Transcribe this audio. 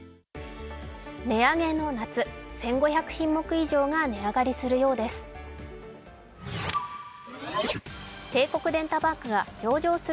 値上げの夏、１５００品目以上が値上がりするようです。